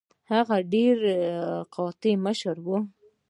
هغه ډیره قاطع مشره وه.